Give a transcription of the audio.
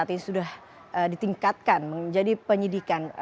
artinya sudah ditingkatkan menjadi penyidikan